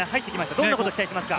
どんなことを期待しますか？